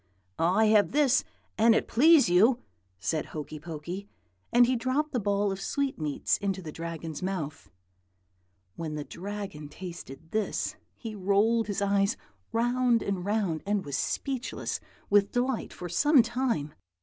"'I have this, an it please you,' said Hokey Pokey; and he dropped the ball of sweetmeats into the Dragon's mouth. "When the Dragon tasted this, he rolled his eyes round and round, and was speechless with delight for some time.